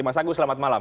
mas agus selamat malam